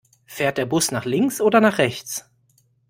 Fährt der Bus nach links oder nach rechts?